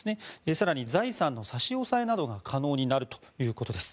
更に財産の差し押さえなどが可能になるということです。